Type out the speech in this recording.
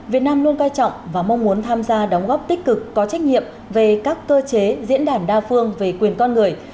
việt nam luôn coi trọng và mong muốn tham gia đóng góp tích cực có trách nhiệm về các cơ chế diễn đàn đa phương về quyền con người